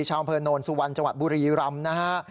ชาวอำเภอโนนสุวรรณจังหวัดบุรีรำนะฮะ